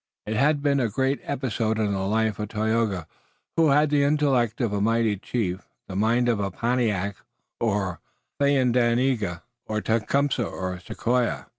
It had been a great episode in the life of Tayoga, who had the intellect of a mighty chief, the mind of Pontiac or Thayendanegea, or Tecumseh, or Sequoia.